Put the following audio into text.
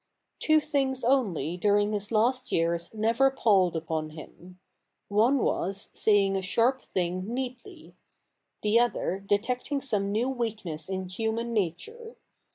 Two things only during his last years never palled upon him : one was, saying a sharp thing neatly ; the other, detecting some new weakness in human nature.